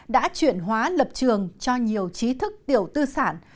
đã chuyển hóa lập trường cho nhiều trí thức tiểu tư sản